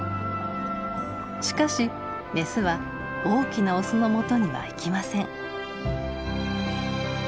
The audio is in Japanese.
しかしメスは大きなオスのもとには行きません。